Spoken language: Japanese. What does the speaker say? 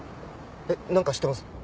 えっなんか知ってます？